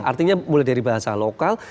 artinya mulai dari bahasa lokal